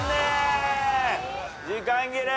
時間切れ。